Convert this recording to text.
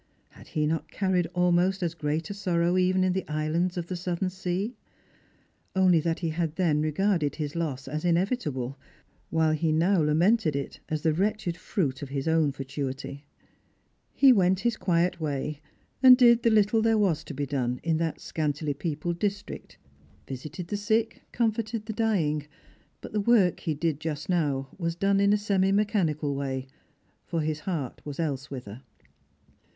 Had he not carried almost as great a sorrow even in the islands of the southern sea? only that he had then regarded his loss as inevitable, while he now lamented it as the wretched fruit of hia ftwn fatuity. He went his quiet way and did the little there was to be done in that scantily peopled district, visited the sick. 330 Strangers and Pilgrims. comforted the dying ; but the work he did just now was done in a semi mechanical way, for his heart was elsewhither.